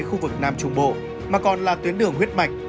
khu vực nam trung bộ mà còn là tuyến đường huyết mạch